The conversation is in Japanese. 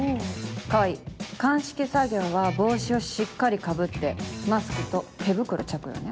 川合鑑識作業は帽子をしっかりかぶってマスクと手袋着用ね。